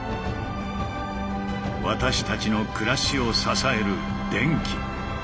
私たちの暮らしを支える電気。